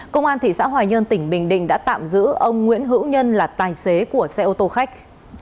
công an thị xã hòa nhơn tỉnh bình định đã tạm giữ ông nguyễn hữu nhân là tài xế của xe ô tô khách